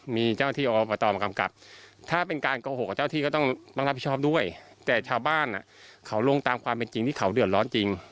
มีเจ้าหน้าที่อบตมากำกับถ้าเป็นการโกหกกับเจ้าที่ก็ต้องรับผิดชอบด้วยแต่ชาวบ้านเขาลงตามความเป็นจริงที่เขาเดือดร้อนจริง